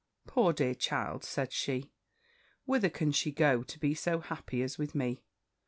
'Poor dear child!' said she, 'whither can she go, to be so happy as with me?